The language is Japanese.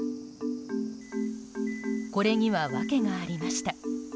これには訳がありました。